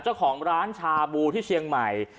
เจ้าของร้านชาบูที่เชียงใหม่